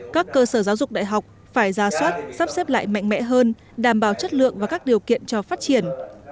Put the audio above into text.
các cơ sở giáo dục đại học phải ra soát sắp xếp lại mạnh mẽ hơn đảm bảo chất lượng và các điều kiện cho phát triển